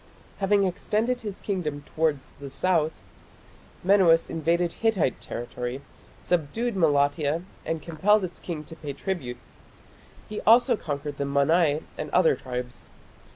Having extended his kingdom towards the south, Menuas invaded Hittite territory, subdued Malatia and compelled its king to pay tribute. He also conquered the Mannai and other tribes.